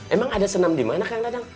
emang ada senam di mana kang dadang